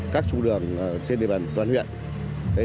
các trung đường trên địa bàn toàn huyện